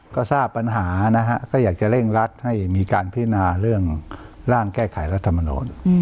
ก็ทราบปัญหานะฮะก็อยากจะเร่งรัดให้มีการพินาเรื่องร่างแก้ไขรัฐมนูล